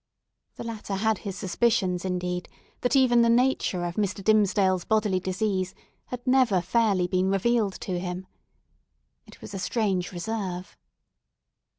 The latter had his suspicions, indeed, that even the nature of Mr. Dimmesdale's bodily disease had never fairly been revealed to him. It was a strange reserve!